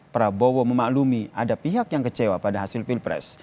prabowo memaklumi ada pihak yang kecewa pada hasil pilpres